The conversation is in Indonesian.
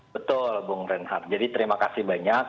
betul bung reinhard jadi terima kasih banyak